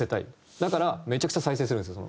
だからめちゃくちゃ再生するんですよ。